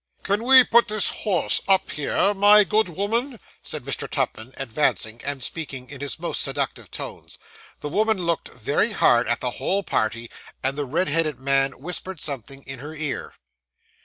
'Can we put this horse up here, my good woman?' said Mr. Tupman, advancing, and speaking in his most seductive tones. The woman looked very hard at the whole party; and the red headed man whispered something in her ear.